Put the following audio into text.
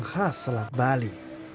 yang khas selat bali